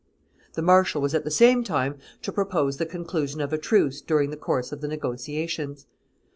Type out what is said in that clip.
The marshal was at the same time to propose the conclusion of a truce during the course of the negotiations.